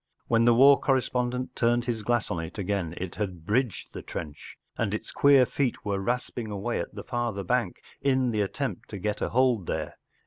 When the war corre spondent turned his glass on it again it had bridged the trench, and its queer feet were rasping away at the farther bank, sn the attempt to get a hold there.